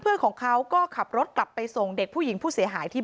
เพื่อนของเขาก็ขับรถกลับไปส่งเด็กผู้หญิงผู้เสียหายที่